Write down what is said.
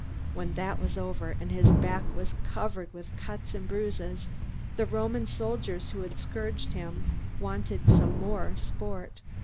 When that was over, and his back was covered with cuts and bruises, the Roman soldiers who had scourged him wanted some more sport.